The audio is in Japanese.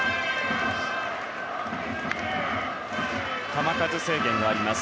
球数制限があります。